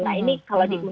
nah ini kalau di gugup